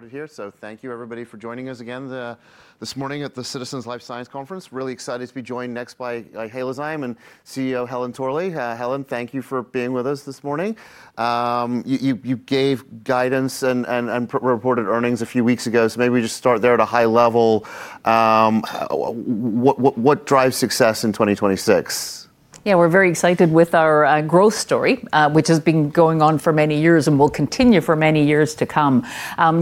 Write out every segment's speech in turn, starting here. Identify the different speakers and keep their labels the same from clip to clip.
Speaker 1: Out of here. Thank you everybody for joining us again this morning at the Citizens Life Sciences Conference. Really excited to be joined next by Halozyme CEO Helen Torley. Helen, thank you for being with us this morning. You gave guidance and reported earnings a few weeks ago, maybe we just start there at a high level. What drives success in 2026?
Speaker 2: Yeah, we're very excited with our growth story, which has been going on for many years and will continue for many years to come.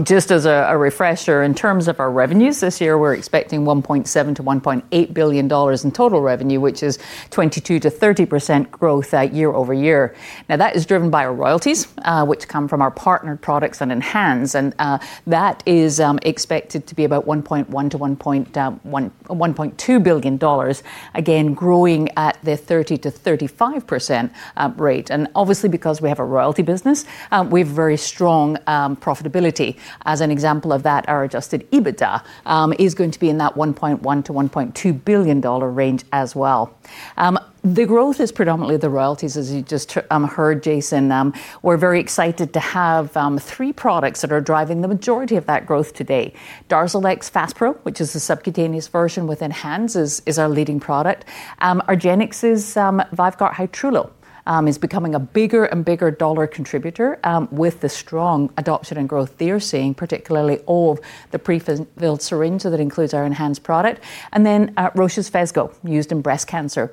Speaker 2: Just as a refresher, in terms of our revenues this year, we're expecting $1.7-$1.8 billion in total revenue, which is 22%-30% growth year-over-year. Now, that is driven by our royalties, which come from our partnered products and ENHANZE. That is expected to be about $1.1-$1.2 billion. Again, growing at the 30%-35% rate. Obviously, because we have a royalty business, we have very strong profitability. As an example of that, our Adjusted EBITDA is going to be in that $1.1-$1.2 billion range as well. The growth is predominantly the royalties, as you just heard Jason. We're very excited to have three products that are driving the majority of that growth today. DARZALEX FASPRO, which is the subcutaneous version with ENHANZE, is our leading product. argenx's VYVGART Hytrulo is becoming a bigger and bigger dollar contributor with the strong adoption and growth they're seeing, particularly of the pre-filled syringe, so that includes our ENHANZE product, and then Roche's Perjeta used in breast cancer.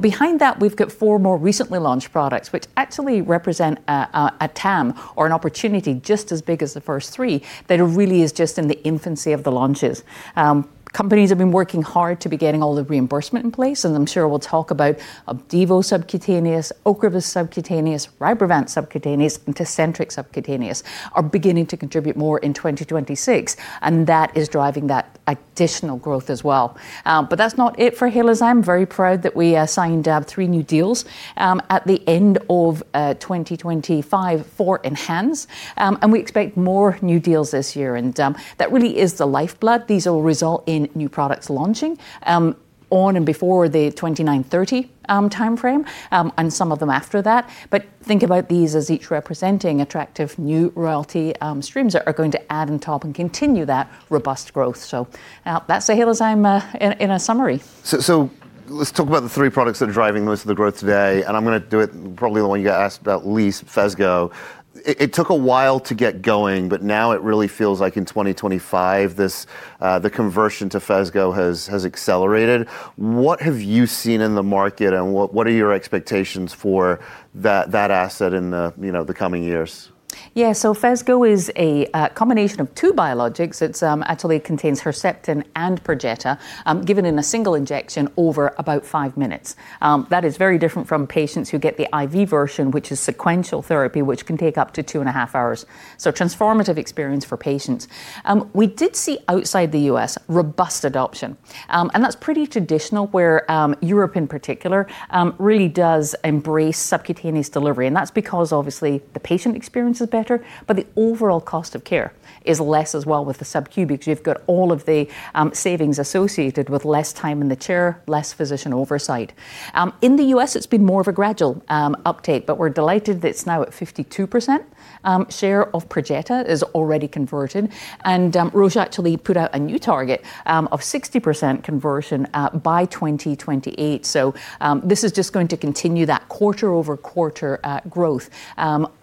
Speaker 2: Behind that, we've got four more recently launched products, which actually represent a TAM or an opportunity just as big as the first three that really is just in the infancy of the launches. Companies have been working hard to be getting all the reimbursement in place, and I'm sure we'll talk about Opdivo subcutaneous, OCREVUS subcutaneous, RYBREVANT subcutaneous, and Tecentriq subcutaneous are beginning to contribute more in 2026, and that is driving that additional growth as well. That's not it for Halozyme. Very proud that we signed three new deals at the end of 2025 for ENHANZE. We expect more new deals this year and that really is the lifeblood. These will result in new products launching on and before the 2029-2030 timeframe and some of them after that. Think about these as each representing attractive new royalty streams that are going to add and top and continue that robust growth. That's Halozyme in a summary.
Speaker 1: Let's talk about the three products that are driving most of the growth today, and I'm gonna do it probably the one you got asked about least, Perjeta. It took a while to get going, but now it really feels like in 2025, the conversion to Perjeta has accelerated. What have you seen in the market, and what are your expectations for that asset in the, you know, the coming years?
Speaker 2: Yeah, Perjeta is a combination of two biologics. It actually contains Herceptin and Perjeta, given in a single injection over about 5 minutes. That is very different from patients who get the IV version, which is sequential therapy, which can take up to 2.5 hours. Transformative experience for patients. We did see outside the U.S. robust adoption, and that's pretty traditional where, Europe in particular, really does embrace subcutaneous delivery, and that's because obviously the patient experience is better, but the overall cost of care is less as well with the subcu because you've got all of the savings associated with less time in the chair, less physician oversight. In the U.S., it's been more of a gradual uptake, but we're delighted that it's now at 52% share of Perjeta is already converted, and Roche actually put out a new target of 60% conversion by 2028. This is just going to continue that quarter-over-quarter growth.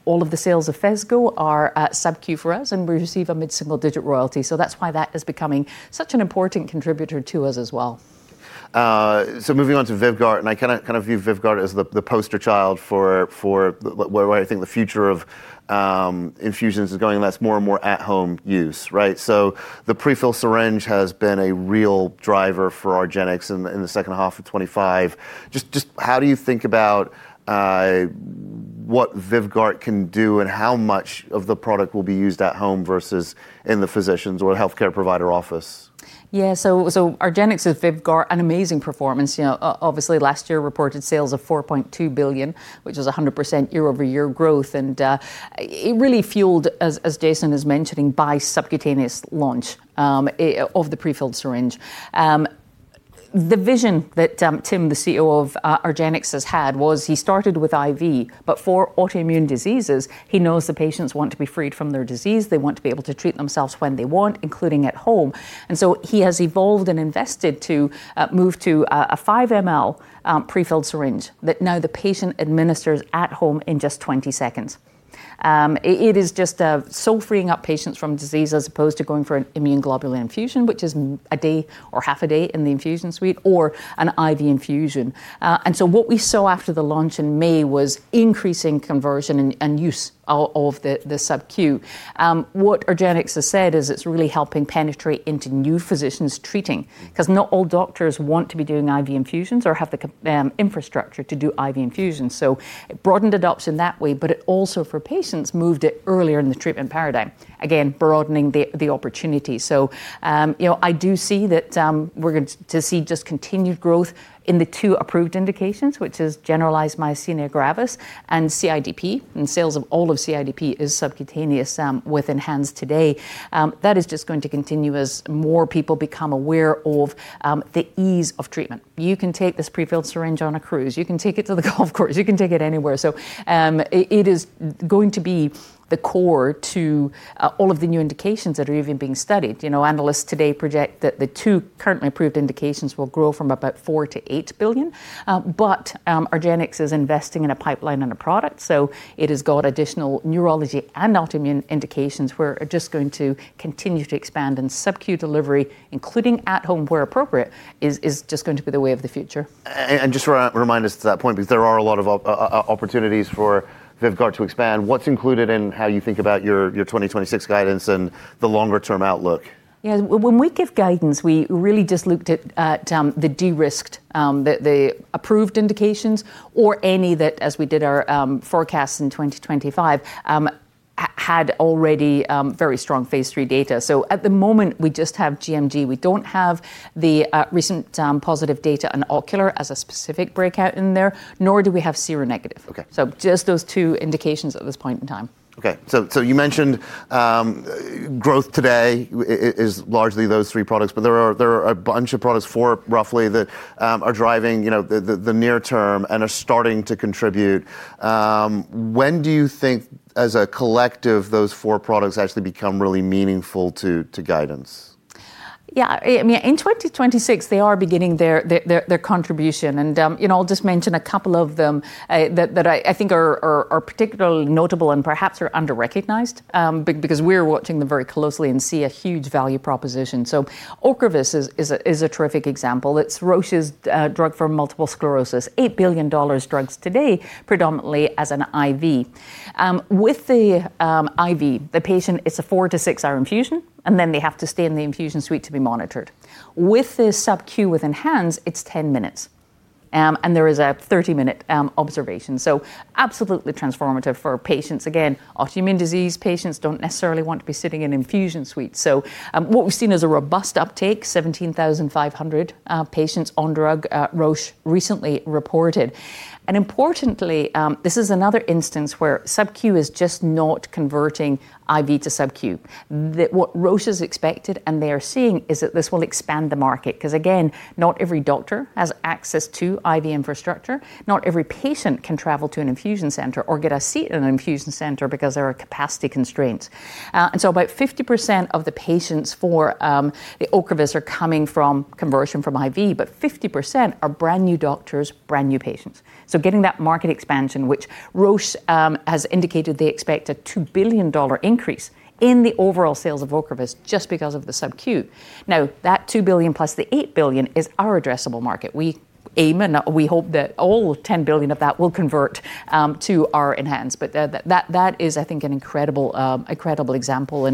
Speaker 2: All of the sales of Perjeta are SubQ for us, and we receive a mid-single-digit royalty, so that's why that is becoming such an important contributor to us as well.
Speaker 1: Moving on to VYVGART, I kind of view VYVGART as the poster child for where I think the future of infusions is going, and that's more and more at-home use, right? The pre-filled syringe has been a real driver for argenx in the second half of 2025. Just how do you think about what VYVGART can do and how much of the product will be used at home versus in the physician's or healthcare provider office?
Speaker 2: Yeah. argenx's VYVGART, an amazing performance. You know, obviously last year reported sales of $4.2 billion, which is 100% year-over-year growth, and it really fueled, as Jason is mentioning, by subcutaneous launch of the pre-filled syringe. The vision that Tim, the CEO of argenx, has had was he started with IV, but for autoimmune diseases, he knows the patients want to be freed from their disease. They want to be able to treat themselves when they want, including at home. He has evolved and invested to move to a 5 ml pre-filled syringe that now the patient administers at home in just 20 seconds. It is just so freeing up patients from disease as opposed to going for an immune globulin infusion, which is a day or half a day in the infusion suite or an IV infusion. What we saw after the launch in May was increasing conversion and use of the SubQ. What argenx has said is it's really helping penetrate into new physicians treating, 'cause not all doctors want to be doing IV infusions or have the infrastructure to do IV infusions. It broadened adoption that way, but it also for patients moved it earlier in the treatment paradigm, again, broadening the opportunity. You know, I do see that we're going to see just continued growth in the two approved indications, which is generalized myasthenia gravis and CIDP, and sales of all of CIDP is subcutaneous with ENHANZE today. That is just going to continue as more people become aware of the ease of treatment. You can take this pre-filled syringe on a cruise, you can take it to the golf course, you can take it anywhere. It is going to be the core to all of the new indications that are even being studied. You know, analysts today project that the two currently approved indications will grow from about $4 billion to $8 billion. argenx is investing in a pipeline and a product, so it has got additional neurology and autoimmune indications which are just going to continue to expand. SubQ delivery, including at home where appropriate, is just going to be the way of the future.
Speaker 1: Just remind us to that point, because there are a lot of opportunities for VYVGART to expand. What's included in how you think about your 2026 guidance and the longer-term outlook?
Speaker 2: Yeah, when we give guidance, we really just looked at the de-risked the approved indications or any that, as we did our forecasts in 2025, had already very strong phase 3 data. At the moment, we just have GMG. We don't have the recent positive data on ocular as a specific breakout in there, nor do we have seronegative.
Speaker 1: Okay.
Speaker 2: Just those two indications at this point in time.
Speaker 1: Okay. You mentioned growth today is largely those three products, but there are a bunch of products, four roughly, that are driving, you know, the near term and are starting to contribute. When do you think as a collective, those four products actually become really meaningful to guidance?
Speaker 2: I mean, in 2026, they are beginning their contribution. You know, I'll just mention a couple of them that I think are particularly notable and perhaps are underrecognized because we're watching them very closely and see a huge value proposition. OCREVUS is a terrific example. It's Roche's drug for multiple sclerosis, an $8 billion drug today, predominantly as an IV. With the IV, the patient, it's a 4-6 hour infusion, and then they have to stay in the infusion suite to be monitored. With the SubQ with ENHANZE, it's 10 minutes and there is a 30-minute observation. Absolutely transformative for patients. Again, autoimmune disease patients don't necessarily want to be sitting in infusion suites. What we've seen is a robust uptake, 17,500 patients on drug, Roche recently reported. Importantly, this is another instance where SubQ is just not converting IV to SubQ. What Roche has expected and they are seeing is that this will expand the market. Because again, not every doctor has access to IV infrastructure. Not every patient can travel to an infusion center or get a seat in an infusion center because there are capacity constraints. About 50% of the patients for the OCREVUS are coming from conversion from IV, but 50% are brand-new doctors, brand-new patients. Getting that market expansion, which Roche has indicated they expect a $2 billion increase in the overall sales of OCREVUS just because of the SubQ. Now, that $2 billion plus the $8 billion is our addressable market. We aim and we hope that all $10 billion of that will convert to our ENHANZE. But that is, I think, an incredible example.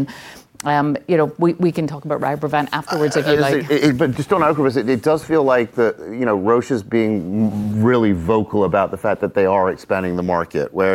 Speaker 2: You know, we can talk about RYBREVANT afterwards if you'd like.
Speaker 1: Just on OCREVUS, it does feel like that, you know, Roche is being really vocal about the fact that they are expanding the market. In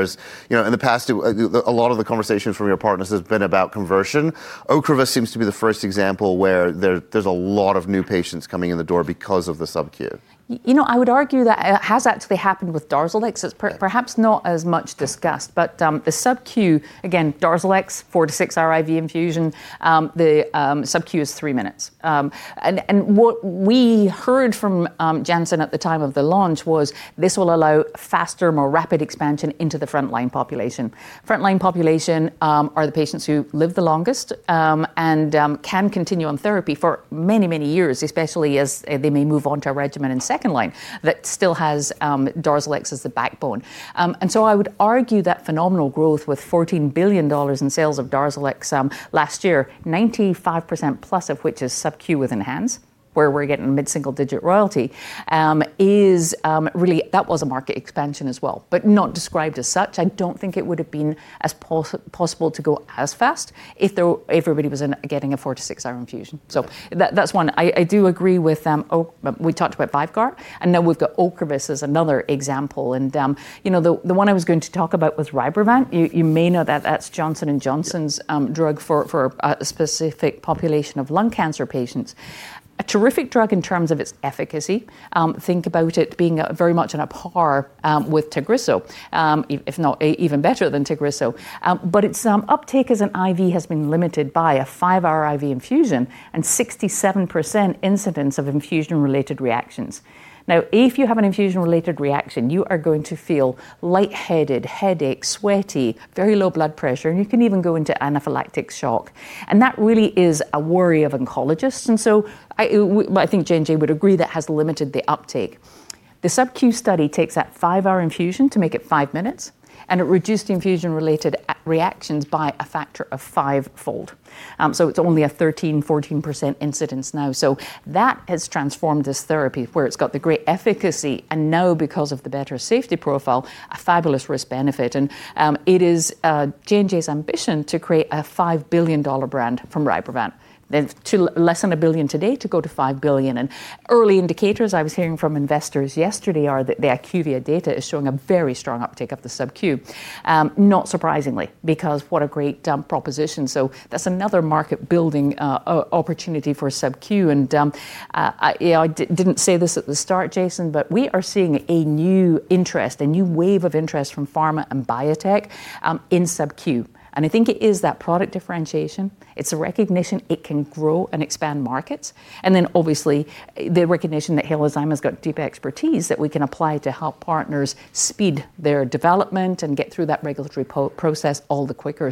Speaker 1: the past, you know, a lot of the conversations from your partners has been about conversion. OCREVUS seems to be the first example where there's a lot of new patients coming in the door because of the SubQ.
Speaker 2: You know, I would argue that has actually happened with Darzalex. It's perhaps not as much discussed, but the subQ, again, Darzalex, 4-6-hour IV infusion, the subQ is 3 minutes. What we heard from Janssen at the time of the launch was this will allow faster, more rapid expansion into the frontline population. Frontline population are the patients who live the longest, and can continue on therapy for many, many years, especially as they may move on to a regimen in second line that still has Darzalex as the backbone. I would argue that phenomenal growth with $14 billion in sales of Darzalex last year, 95%+ of which is subQ with ENHANZE, where we're getting mid-single-digit royalty, is really that was a market expansion as well, but not described as such. I don't think it would have been as possible to go as fast if everybody was getting a 4- to 6-hour infusion. That, that's one. I do agree with. We talked about VYVGART, and now we've got OCREVUS as another example. You know, the one I was going to talk about was RYBREVANT. You may know that that's Johnson & Johnson's drug for a specific population of lung cancer patients. A terrific drug in terms of its efficacy. Think about it being very much on a par with Tagrisso, if not even better than Tagrisso. Its uptake as an IV has been limited by a 5-hour IV infusion and 67% incidence of infusion-related reactions. Now, if you have an infusion-related reaction, you are going to feel lightheaded, headache, sweaty, very low blood pressure, and you can even go into anaphylactic shock. That really is a worry of oncologists. Well, I think J&J would agree that has limited the uptake. The subQ study takes that 5-hour infusion to make it 5 minutes, and it reduced infusion-related reactions by a factor of 5-fold. It's only a 13%-14% incidence now. That has transformed this therapy where it's got the great efficacy and now because of the better safety profile, a fabulous risk-benefit. It is J&J's ambition to create a $5 billion brand from RYBREVANT. They've less than $1 billion today to go to $5 billion. Early indicators I was hearing from investors yesterday are that their IQVIA data is showing a very strong uptake of the SubQ. Not surprisingly, because what a great proposition. That's another market building opportunity for SubQ. I didn't say this at the start, Jason, but we are seeing a new interest, a new wave of interest from pharma and biotech in SubQ. I think it is that product differentiation, it's a recognition it can grow and expand markets, and then obviously, the recognition that Halozyme has got deep expertise that we can apply to help partners speed their development and get through that regulatory process all the quicker.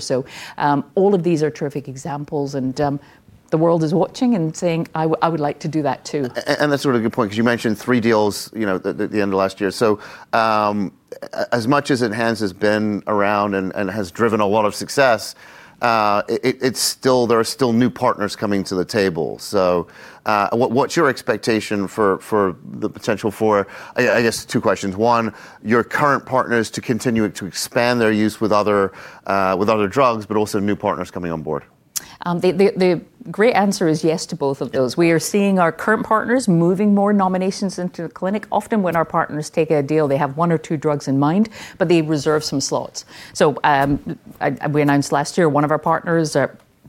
Speaker 2: All of these are terrific examples, and the world is watching and saying, "I would like to do that too.
Speaker 1: That's sort of a good point, 'cause you mentioned three deals, you know, at the end of last year. As much as ENHANZE has been around and has driven a lot of success, it's still there are still new partners coming to the table. What's your expectation for the potential for? I guess two questions. One, your current partners to continue to expand their use with other drugs, but also new partners coming on board.
Speaker 2: The great answer is yes to both of those. We are seeing our current partners moving more nominations into the clinic. Often when our partners take a deal, they have 1 or 2 drugs in mind, but they reserve some slots. We announced last year 1 of our partners,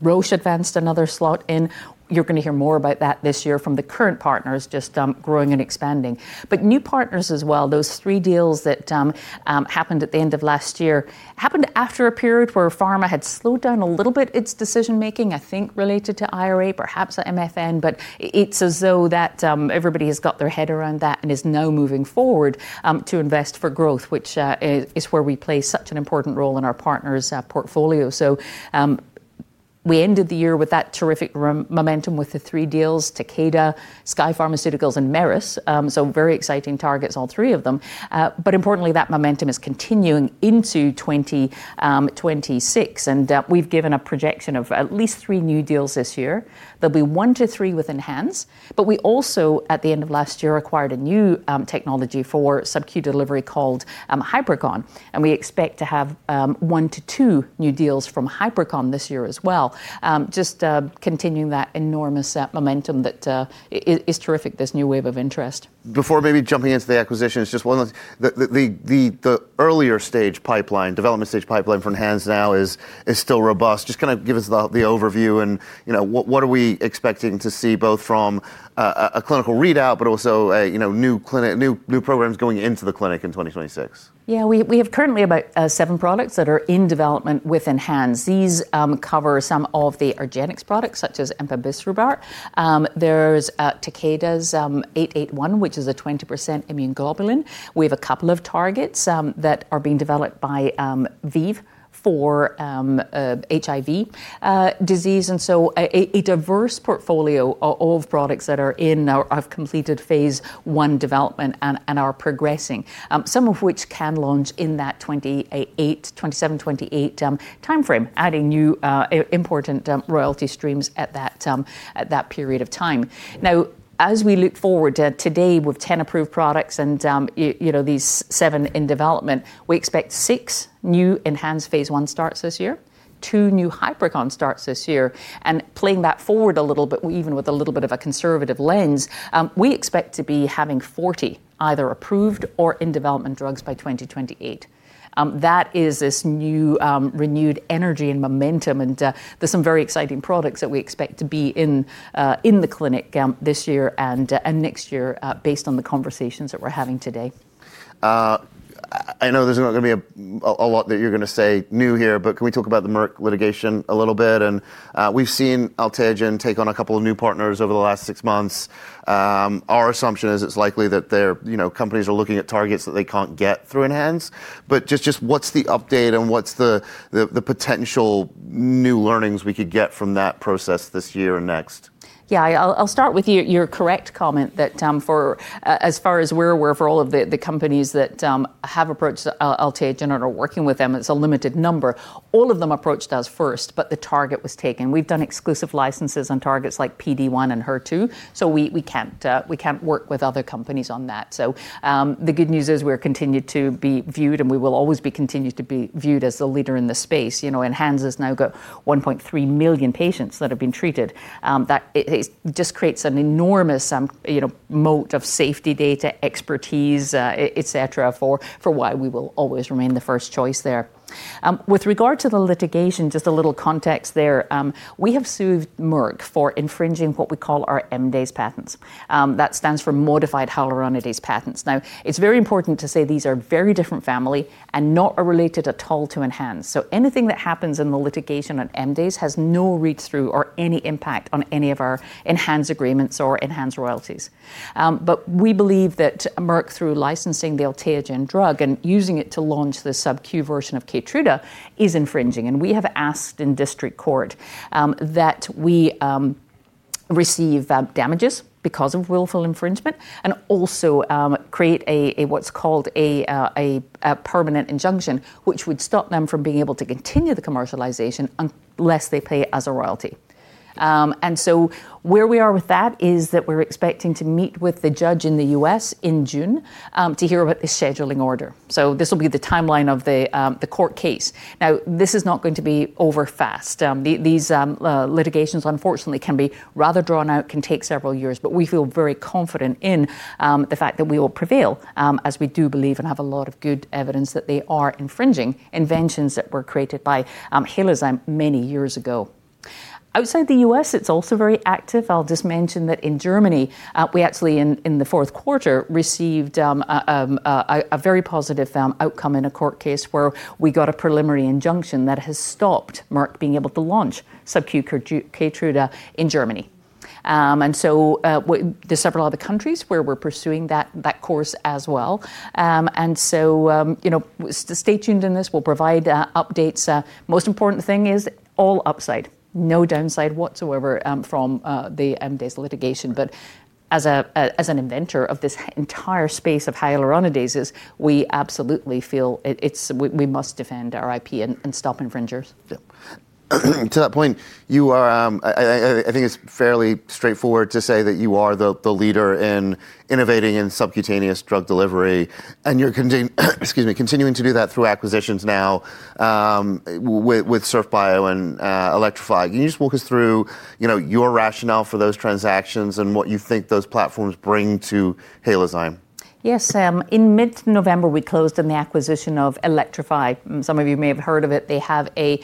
Speaker 2: Roche, advanced another slot in. You're going to hear more about that this year from the current partners just growing and expanding. New partners as well, those 3 deals that happened at the end of last year happened after a period where pharma had slowed down a little bit its decision-making, I think, related to IRA, perhaps the MFN. It's as though that everybody has got their head around that and is now moving forward to invest for growth, which is where we play such an important role in our partners' portfolio. We ended the year with that terrific true momentum with the three deals, Takeda, Skye Bioscience, and Merus. Very exciting targets, all three of them. Importantly, that momentum is continuing into 2026, and we've given a projection of at least 3 new deals this year. There'll be 1-3 with ENHANZE, but we also at the end of last year acquired a new technology for SubQ delivery called Hypercon, and we expect to have 1-2 new deals from Hypercon this year as well. Just continuing that enormous momentum that is terrific, this new wave of interest.
Speaker 1: Before maybe jumping into the acquisition, it's just one of the earlier stage pipeline, development stage pipeline for ENHANZE now is still robust. Just kind of give us the overview and, you know, what are we expecting to see both from a clinical readout, but also, you know, new clinical programs going into the clinic in 2026.
Speaker 2: We have currently about seven products that are in development with ENHANZE. These cover some of the argenx products such as Empasiprubart. There's Takeda's TAK-881, which is a 20% immune globulin. We have a couple of targets that are being developed by ViiV for HIV disease. A diverse portfolio of products that are in or have completed phase 1 development and are progressing, some of which can launch in that 2028, 2027, 2028 timeframe, adding new important royalty streams at that period of time. Now, as we look forward to today with 10 approved products and you know, these seven in development, we expect six new ENHANZE phase 1 starts this year, two new Hypercon starts this year. Playing that forward a little bit, even with a little bit of a conservative lens, we expect to be having 40 either approved or in development drugs by 2028. That is this new renewed energy and momentum, and there's some very exciting products that we expect to be in the clinic this year and next year, based on the conversations that we're having today.
Speaker 1: I know there's not going to be a lot that you're going to say new here, but can we talk about the Merck litigation a little bit? We've seen Alteogen take on a couple of new partners over the last six months. Our assumption is it's likely that their, you know, companies are looking at targets that they can't get through ENHANZE. Just what's the update and what's the potential new learnings we could get from that process this year and next?
Speaker 2: Yeah. I'll start with your correct comment that, as far as we're aware, for all of the companies that have approached Alteogen or are working with them, it's a limited number. All of them approached us first, but the target was taken. We've done exclusive licenses on targets like PD-1 and HER2. We can't work with other companies on that. The good news is we're continued to be viewed, and we will always be continued to be viewed as the leader in the space. You know, ENHANZE has now got 1.3 million patients that have been treated. That it just creates an enormous, you know, moat of safety data, expertise, et cetera, for why we will always remain the first choice there. With regard to the litigation, just a little context there. We have sued Merck for infringing what we call our MDASE patents. That stands for modified hyaluronidase patents. Now, it's very important to say these are a very different family and are not related at all to ENHANZE. Anything that happens in the litigation on MDASE has no read-through or any impact on any of our ENHANZE agreements or ENHANZE royalties. We believe that Merck, through licensing the Alteogen drug and using it to launch the subQ version of Keytruda, is infringing. We have asked in district court that we receive damages because of willful infringement and also create what's called a permanent injunction, which would stop them from being able to continue the commercialization unless they pay us a royalty. Where we are with that is that we're expecting to meet with the judge in the U.S. in June to hear about the scheduling order. This will be the timeline of the court case. Now, this is not going to be over fast. These litigations unfortunately can be rather drawn out, can take several years, but we feel very confident in the fact that we will prevail, as we do believe and have a lot of good evidence that they are infringing inventions that were created by Halozyme many years ago. Outside the U.S., it's also very active. I'll just mention that in Germany we actually in the fourth quarter received a very positive outcome in a court case where we got a preliminary injunction that has stopped Merck being able to launch SubQ Keytruda in Germany. There's several other countries where we're pursuing that course as well. Stay tuned in this. We'll provide updates. Most important thing is all upside, no downside whatsoever from the MDASE litigation. As an inventor of this entire space of hyaluronidases, we absolutely feel we must defend our IP and stop infringers.
Speaker 1: Yeah. To that point, you are, I think it's fairly straightforward to say that you are the leader in innovating in subcutaneous drug delivery, and you're continuing to do that through acquisitions now, with Surf Bio and Elektrofi. Can you just walk us through, you know, your rationale for those transactions and what you think those platforms bring to Halozyme?
Speaker 2: Yes, Sam. In mid-November, we closed on the acquisition of Elektrofi. Some of you may have heard of it. They have a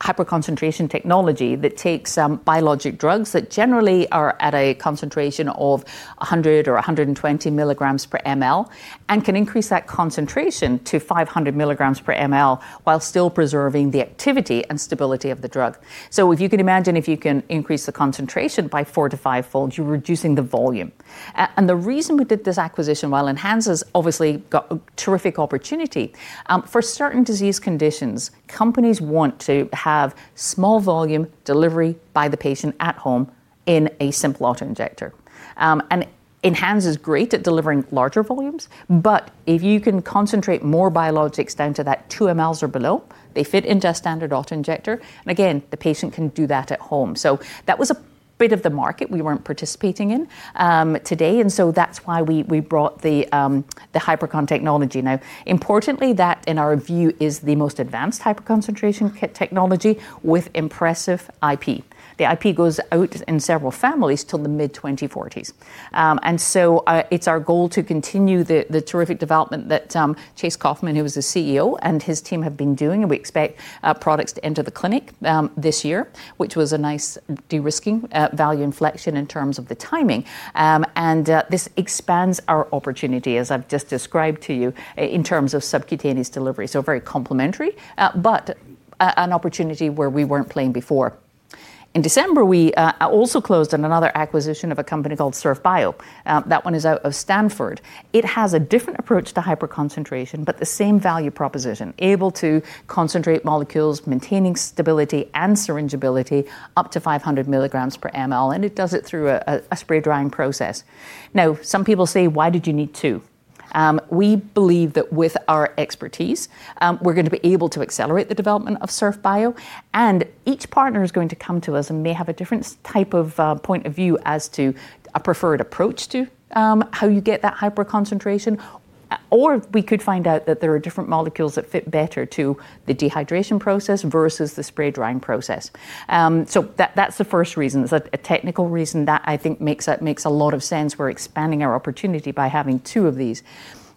Speaker 2: Hypercon technology that takes biologic drugs that generally are at a con of 100 or 120 mg/mL, and can increase that concentration to 500 mg/mL, while still preserving the activity and stability of the drug. If you can imagine you can increase the concentration by 4- to 5-fold, you're reducing the volume. The reason we did this acquisition, while ENHANZE's obviously got a terrific opportunity for certain disease conditions, companies want to have small volume delivery by the patient at home in a simple auto-injector. ENHANZE's great at delivering larger volumes, but if you can concentrate more biologics down to that 2 mL or below, they fit into a standard auto-injector, and again, the patient can do that at home. That was a bit of the market we weren't participating in today, and that's why we brought the Hypercon technology. Now, importantly, that in our view is the most advanced type of concentration technology with impressive IP. The IP goes out in several families till the mid-2040s. It's our goal to continue the terrific development that Chase Coffman, who is the CEO, and his team have been doing, and we expect products to enter the clinic this year, which was a nice de-risking value inflection in terms of the timing. This expands our opportunity, as I've just described to you in terms of subcutaneous delivery, so very complementary, but an opportunity where we weren't playing before. In December, we also closed on another acquisition of a company called Surf Bio. That one is out of Stanford. It has a different approach to hyperconcentration, but the same value proposition, able to concentrate molecules, maintaining stability and syringeability up to 500 milligrams per ml, and it does it through a spray drying process. Now, some people say, "Why did you need two?" We believe that with our expertise, we're going to be able to accelerate the development of Surf Bio, and each partner is going to come to us and may have a different point of view as to a preferred approach to how you get that hyperconcentration. Or we could find out that there are different molecules that fit better to the dehydration process versus the spray drying process. So that's the first reason. It's a technical reason that I think makes a lot of sense. We're expanding our opportunity by having two of these.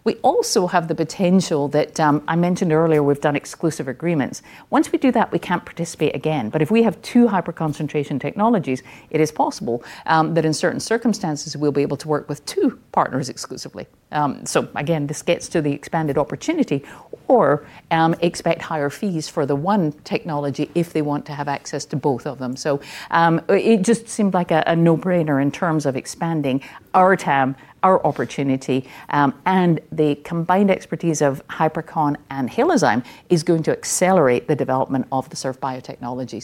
Speaker 2: We also have the potential that I mentioned earlier, we've done exclusive agreements. Once we do that, we can't participate again, but if we have two hyperconcentration technologies, it is possible that in certain circumstances we'll be able to work with two partners exclusively. Again, this gets to the expanded opportunity or expect higher fees for the one technology if they want to have access to both of them. It just seemed like a no-brainer in terms of expanding our TAM, our opportunity, and the combined expertise of Hypercon and Halozyme is going to accelerate the development of the Surf Bio technology.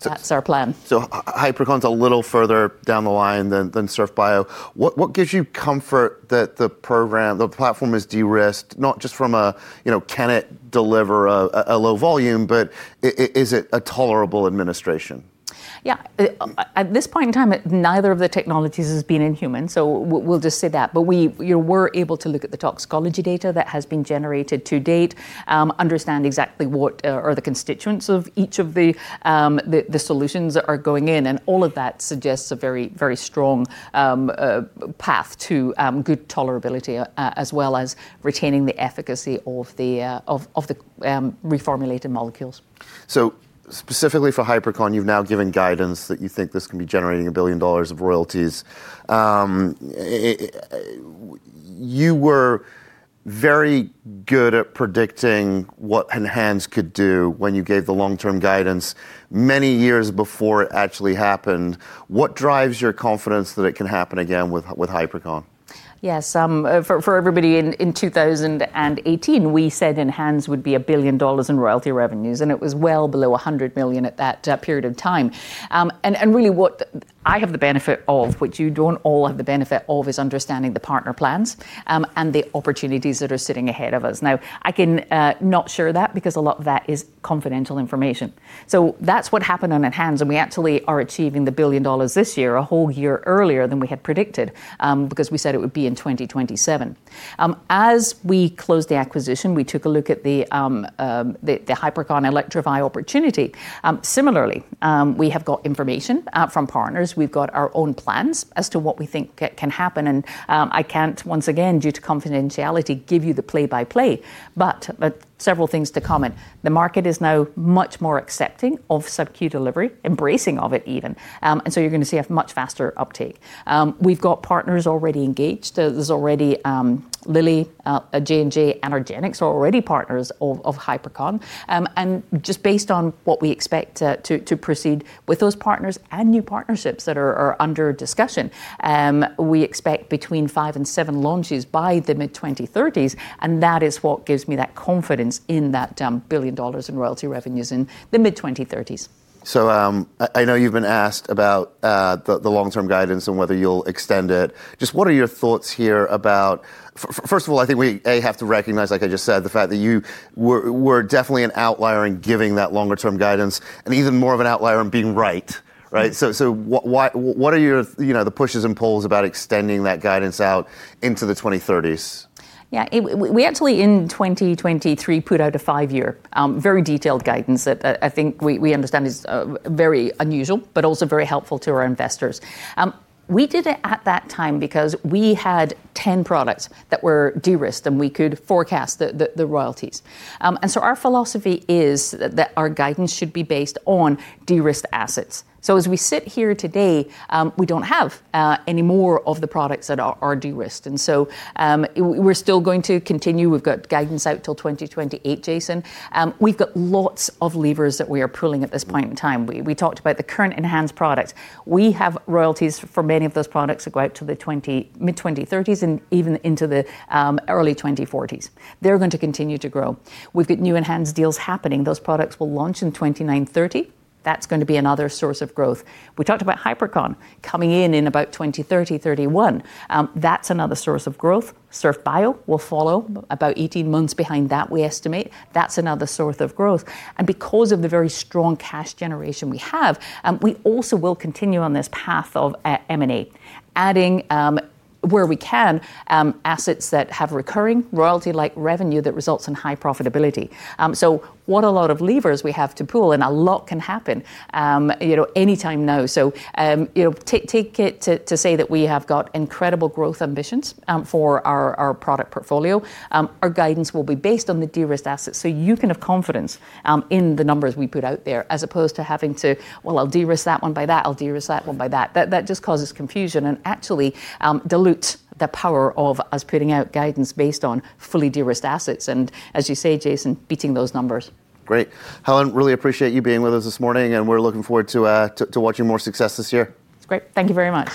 Speaker 2: That's our plan.
Speaker 1: Hypercon's a little further down the line than Surf Bio. What gives you comfort that the program, the platform is de-risked, not just from a, you know, can it deliver a low volume, but is it a tolerable administration?
Speaker 2: Yeah. At this point in time, neither of the technologies has been in human, so we'll just say that. You were able to look at the toxicology data that has been generated to date, understand exactly what are the constituents of each of the solutions that are going in, and all of that suggests a very strong path to good tolerability as well as retaining the efficacy of the reformulated molecules.
Speaker 1: Specifically for Hypercon, you've now given guidance that you think this can be generating $1 billion of royalties. You were very good at predicting what ENHANZE could do when you gave the long-term guidance many years before it actually happened. What drives your confidence that it can happen again with Hypercon?
Speaker 2: Yes. For everybody in 2018, we said ENHANZE would be $1 billion in royalty revenues, and it was well below $100 million at that period of time. Really what I have the benefit of, which you don't all have the benefit of, is understanding the partner plans, and the opportunities that are sitting ahead of us. Now, I can not share that because a lot of that is confidential information. That's what happened on ENHANZE, and we actually are achieving the $1 billion this year, a whole year earlier than we had predicted, because we said it would be in 2027. As we closed the acquisition, we took a look at the Hypercon Elektrofi opportunity. Similarly, we have got information from partners. We've got our own plans as to what we think can happen and, I can't, once again, due to confidentiality, give you the play-by-play, but several things to comment. The market is now much more accepting of sub-Q delivery, embracing of it even. You're gonna see a much faster uptake. We've got partners already engaged. There's already Lilly, J&J, argenx are already partners of Hypercon. And just based on what we expect to proceed with those partners and new partnerships that are under discussion, we expect between 5 and 7 launches by the mid-2030s, and that is what gives me that confidence in that $1 billion in royalty revenues in the mid-2030s.
Speaker 1: I know you've been asked about the long-term guidance and whether you'll extend it. Just what are your thoughts here about first of all, I think we have to recognize, like I just said, the fact that you were definitely an outlier in giving that longer term guidance, and even more of an outlier in being right?
Speaker 2: Mm.
Speaker 1: What are your, you know, the pushes and pulls about extending that guidance out into the 2030s?
Speaker 2: We actually in 2023 put out a five-year very detailed guidance that I think we understand is very unusual, but also very helpful to our investors. We did it at that time because we had 10 products that were de-risked, and we could forecast the royalties. Our philosophy is that our guidance should be based on de-risked assets. As we sit here today, we don't have any more of the products that are de-risked. We're still going to continue. We've got guidance out till 2028, Jason. We've got lots of levers that we are pulling at this point in time.
Speaker 1: Mm.
Speaker 2: We talked about the current enhanced products. We have royalties for many of those products that go out to the mid-2030s and even into the early 2040s. They're going to continue to grow. We've got new enhanced deals happening. Those products will launch in 2029, 2030. That's going to be another source of growth. We talked about Hypercon coming in in about 2030, 2031. That's another source of growth. Surf Bio will follow about 18 months behind that, we estimate. That's another source of growth. Because of the very strong cash generation we have, we also will continue on this path of M&A, adding where we can assets that have recurring royalty-like revenue that results in high profitability. So what a lot of levers we have to pull, and a lot can happen, you know, anytime now. You know, take it to say that we have got incredible growth ambitions for our product portfolio. Our guidance will be based on the de-risked assets, so you can have confidence in the numbers we put out there as opposed to having to, "Well, I'll de-risk that one by that, I'll de-risk that one by that." That just causes confusion and actually dilutes the power of us putting out guidance based on fully de-risked assets and, as you say, Jason, beating those numbers.
Speaker 1: Great. Helen, really appreciate you being with us this morning, and we're looking forward to watching more success this year.
Speaker 2: Great. Thank you very much.